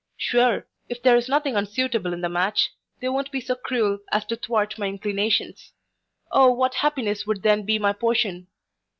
Sure, if there is nothing unsuitable in the match, they won't be so cruel as to thwart my inclinations O what happiness would then be my portion!